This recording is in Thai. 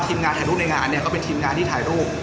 ทีมงานถ่ายรูปในงานเนี่ยก็เป็นทีมงานที่ถ่ายรูป